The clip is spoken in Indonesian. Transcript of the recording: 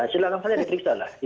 silahkan saja diperiksa lah